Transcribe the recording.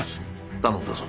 頼んだぞ。